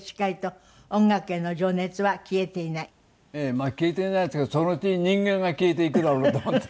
まあ消えていないというかそのうち人間が消えていくだろうと思って。